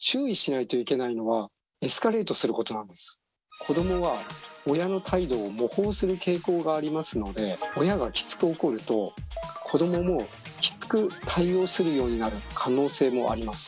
子どもは親の態度を模倣する傾向がありますので親がきつく怒ると子どももきつく対応するようになる可能性もあります。